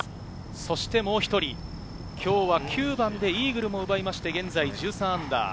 そしてもう一人、今日は９番でイーグルも奪いまして、現在−１３。